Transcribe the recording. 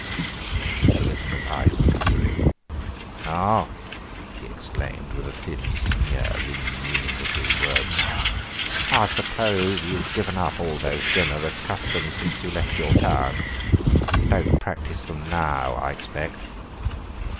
The listener's eyes were glittering. "Ah," he exclaimed, with a thin sneer ringing meaningly through his words, "I suppose you've given up all those generous customs since you left your town. Don't practise them now, I expect."